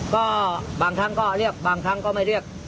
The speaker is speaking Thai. ก็บางครั้งก็เรียกบางครั้งก็ไม่เรียก